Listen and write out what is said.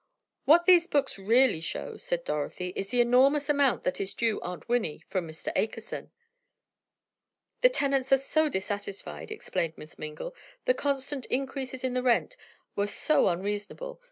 "What these books really show," said Dorothy, "is the enormous amount that is due Aunt Winnie from Mr. Akerson!" "The tenants are so dissatisfied," explained Miss Mingle, "the constant increases in the rent were so unreasonable!